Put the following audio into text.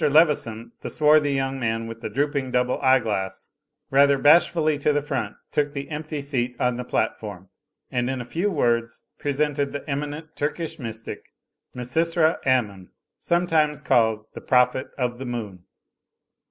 Leveson, the swarthy young man with the drooping double eyeglass rather bashfully to the front, took the empty seat on the platform, and in a few words presented the eminent Turkish mystic Misysra Ammon, sometimes called the Prophet of the Moon.